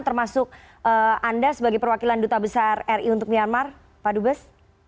termasuk anda sebagai perwakilan duta besar ri untuk myanmar pak dubes